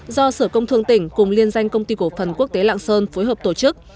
do sở công thương tỉnh cùng liên danh công ty cổ phần quốc tế lạng sơn phối hợp tổ chức